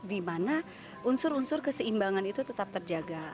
di mana unsur unsur keseimbangan itu tetap terjaga